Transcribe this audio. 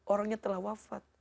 orangnya telah wafat